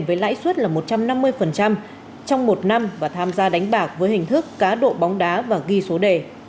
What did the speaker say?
với lãi suất là một trăm năm mươi trong một năm và tham gia đánh bạc với hình thức cá độ bóng đá và ghi số đề